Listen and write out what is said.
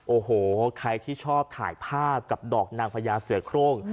โอ้โหใครที่ชอบถ่ายภาพกับดอกนางพญาเสือโครง